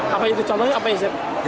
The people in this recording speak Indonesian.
apa itu contohnya apa ya z